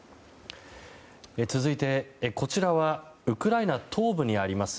続いて、こちらはウクライナ東部にあります